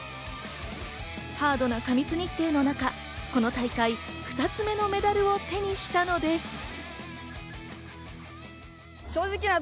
ハードな過密日程の中、この大会、２つ目のメダルを手にしたのです。